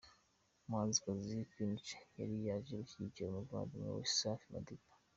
Umuhanzikazi Queen Cha yari yaje gushyigikira umuvandimwe we Safi Madiba.